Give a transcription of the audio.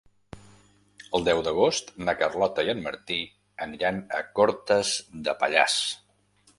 El deu d'agost na Carlota i en Martí aniran a Cortes de Pallars.